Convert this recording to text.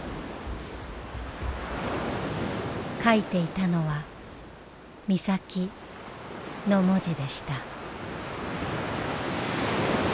書いていたのは「みさき」の文字でした。